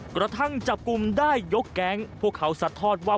กระทั่งจับกลุ่มได้ยกแก๊งพวกเขาสัดทอดว่า